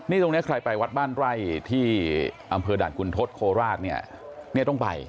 นี่ตรงนี้ใครไปวัดบ้านไร่ที่อำเภอด่านคุณทศโคราชเนี่ยต้องไป